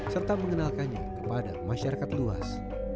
serta mengenalkannya kepada masyarakat luas